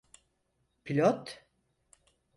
Pilot?